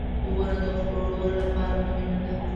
• ونه د خوړو لپاره مهمه ده.